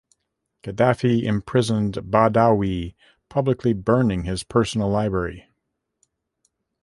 Gaddafi imprisoned Badawi, publicly burning his personal library.